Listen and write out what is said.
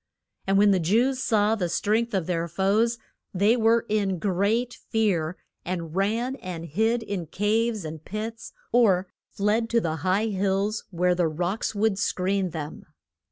And when the Jews saw the strength of their foes, they were in great fear, and ran and hid in caves and pits, or fled to the high hills where the rocks would screen them.